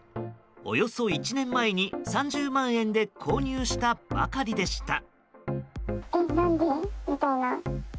およそ１年前に３０万円で購入したばかりでした。